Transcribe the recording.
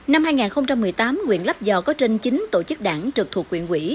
năm hai nghìn một mươi tám nguyện lắp dò có trên chín tổ chức đảng trực thuộc nguyện quỹ